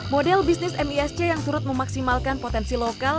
model bisnis misc yang turut memaksimalkan potensi lokal